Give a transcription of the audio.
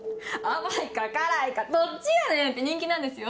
甘いか辛いかどっちやねん！って人気なんですよ。